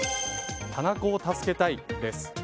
店子を助けたいです。